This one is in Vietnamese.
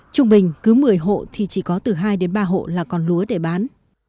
trung bình cứ một mươi hộ thì chỉ có từ hai đến ba hộ là còn lúa để bán